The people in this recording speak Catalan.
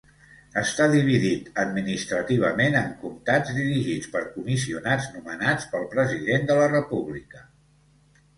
Està dividit administrativament en comtats dirigits per comissionats nomenats pel president de la república.